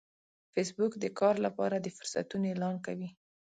فېسبوک د کار لپاره د فرصتونو اعلان کوي